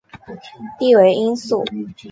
弟为应傃。